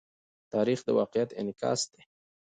تاریخ د واقعیت انعکاس دی.